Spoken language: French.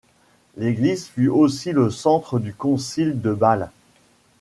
L'église fut aussi le centre du concile de Bâle.